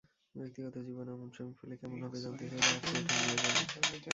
ব্যক্তিগত জীবনে অমন স্বামী পেলে কেমন হবে জানতে চাইলে আঁতকে ওঠেন মেহজাবীন।